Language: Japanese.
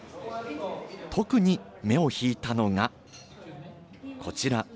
特に目を引いたのが、こちら。